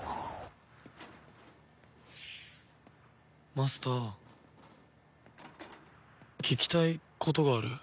マスター聞きたいことがある。